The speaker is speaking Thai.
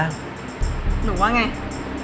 หนูว่าไง